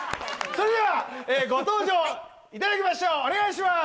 それではご登場いただきましょうお願いします！